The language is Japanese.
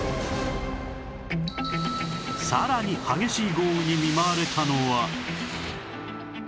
さらに激しい豪雨に見舞われたのは